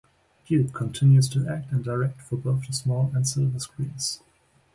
Duke continues to act and direct for both the small and silver screens.